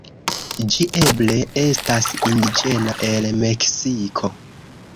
Ĝi eble estas indiĝena el Meksiko.